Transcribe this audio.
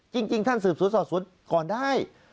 จริงท่านสืบสดศาสดก่อนได้